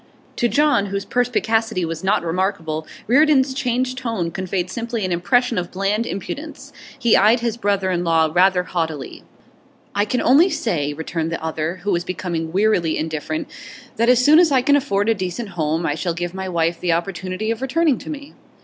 To John, whose perspicacity was not remarkable, Reardon's changed tone conveyed simply an impression of bland impudence. He eyed his brother in law rather haughtily. 'I can only say,' returned the other, who was become wearily indifferent, 'that as soon as I can afford a decent home I shall give my wife the opportunity of returning to me.